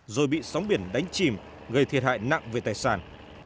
rồi bị sóng biển đánh chìm gây thiệt hại nặng về tài sản